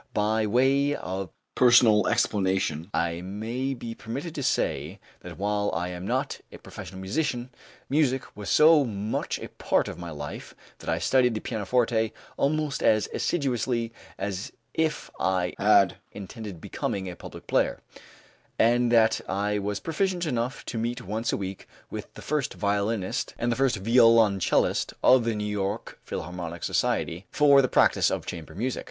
By way of personal explanation I may be permitted to say, that while I am not a professional musician, music was so much a part of my life that I studied the pianoforte almost as assiduously as if I had intended becoming a public player, and that I was proficient enough to meet once a week with the first violinist and the first violoncellist of the New York Philharmonic Society for the practice of chamber music.